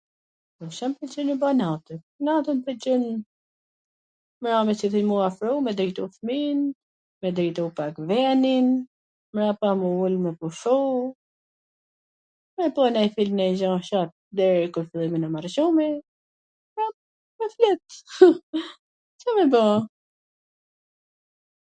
Po Ca m pwlqen me ba natwn? Natwn m pwlqen me ra me afru me drejtu fmijn, me drejtu pak venin, me ba m u ul me pushu, me pa nonj film nonj gja shoh deri kur t na marr gjumi, a, kaq let, Ca me ba?